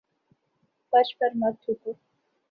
فرش پر مت تھوکو